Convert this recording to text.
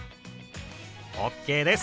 ＯＫです！